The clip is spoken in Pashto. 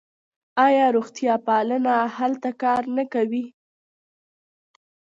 آیا روغتیاپالان هلته کار نه کوي؟